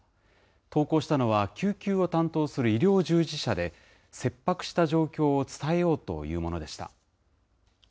投稿したのは救急を担当する医療従事者で、切迫した状況を伝えようというものでした。